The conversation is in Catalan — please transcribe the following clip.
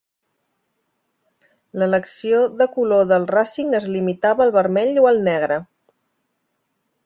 L'elecció de color del Racing es limitava al vermell o al negre.